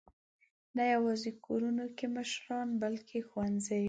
نه یواځې کورونو کې مشران، بلکې ښوونځیو.